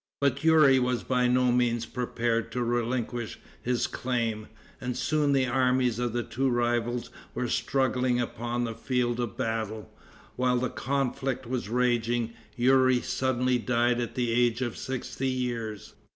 But Youri was by no means prepared to relinquish his claim, and soon the armies of the two rivals were struggling upon the field of battle. While the conflict was raging, Youri suddenly died at the age of sixty years.